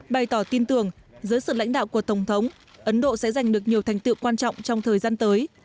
bày tỏ tin tưởng dưới sự lãnh đạo của tổng thống ấn độ sẽ giành được nhiều thành tựu quan trọng trong thời gian tới